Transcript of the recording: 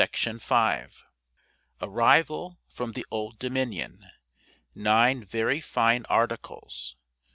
ARRIVAL FROM THE OLD DOMINION. NINE VERY FINE "ARTICLES."